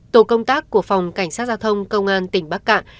tổ công tác của phòng cảnh sát giao thông công an tỉnh bắc cạn